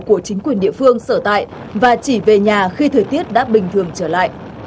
của chính quyền địa phương sở tại và chỉ về nhà khi thời tiết đã bình thường trở lại